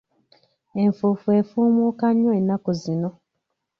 Enfuufu efuumuuka nnyo ennaku zino.